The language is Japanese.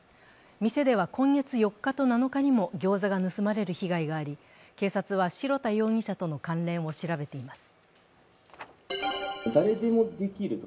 店では今月４日と７日にもギョーザが盗まれる被害があり、警察は白田容疑者との関連を調べています。